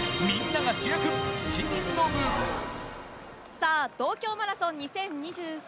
さあ東京マラソン２０２３